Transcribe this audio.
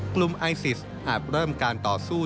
กลุ่มไอซิสอาจเริ่มการต่อสู้